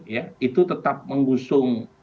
ya itu tetap mengusung